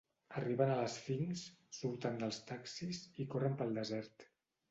Arriben a l'Esfinx, surten dels taxis, i corren pel desert.